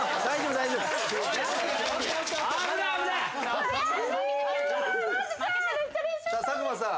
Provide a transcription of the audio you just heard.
さあ佐久間さん。